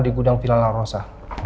di gudang vila la rosa